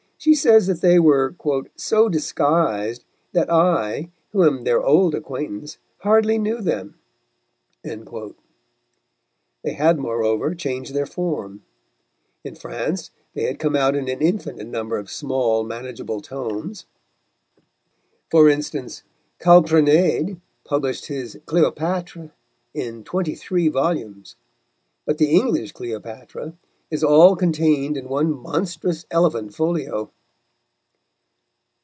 She says that they were "so disguised that I, who am their old acquaintance, hardly knew them." They had, moreover, changed their form. In France they had come out in an infinite number of small, manageable tomes. For instance, Calprenède published his Cléopatre in twenty three volumes; but the English Cleopatra is all contained in one monstrous elephant folio.